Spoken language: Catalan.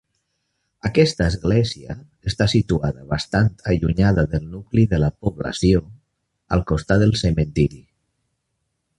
Aquesta església està situada bastant allunyada del nucli de la població, al costat del cementiri.